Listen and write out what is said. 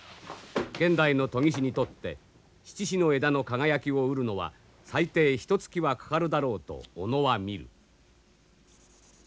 現代の研ぎ師にとって七支の枝の輝きを得るのは最低ひとつきはかかるだろうと小野は見る。